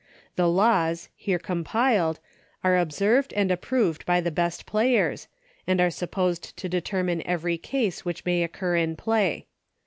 The laws, here compiled, are observed and approved by the best players, and are supposed to determine every case which may occur in play.